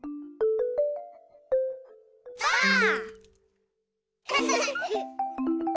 ばあっ！